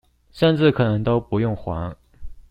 甚至可能都不用還